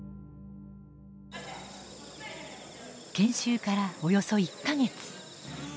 研修からおよそ１か月。